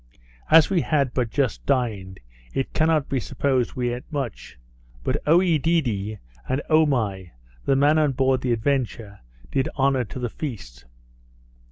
As we had but just dined, it cannot be supposed we eat much; but Oedidee, and Omai, the man on board the Adventure, did honour to the feast.